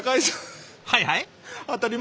はいはい？